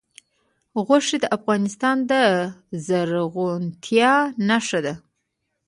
غوښې د افغانستان د زرغونتیا نښه ده.